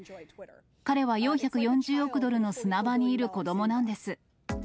彼は４４０億ドルの砂場にいる子どもなんです。